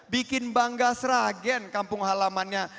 bikin bangga sragen kampung halamannya